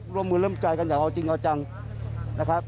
ร่วมมือร่วมใจกันอย่างเอาจริงเอาจังนะครับ